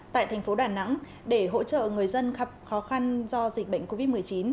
tại thành phố đà nẵng để hỗ trợ người dân gặp khó khăn do dịch bệnh covid một mươi chín